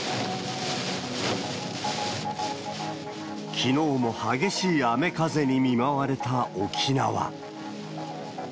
きのうも激しい雨風に見舞われた沖縄。